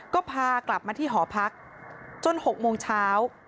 ก็พากลับมาที่หอพักจน๖โมงเช้า